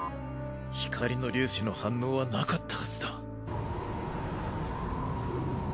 光の粒子の反応はなかったはずだ。